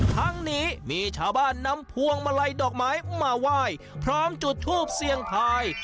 ทั้งนี้มีชาวบ้านนำพวงมาลัยดอกไม้มาไหว้พร้อมจุดทูปเสี่ยงทาย